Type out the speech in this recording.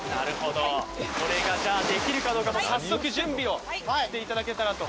これができるどうか早速準備をしていただいたらと。